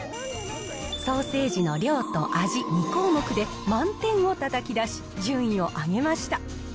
ソーセージの量と味、２項目で満点をたたき出し、順位を上げました。